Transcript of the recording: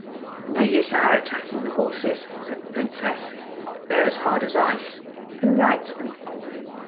"No use our attacking the horses," said the Princess. "They're as hard as ice. Who rides them?"